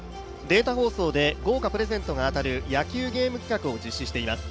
データ放送で豪華プレゼントが当たる野球ゲーム企画を実施しています。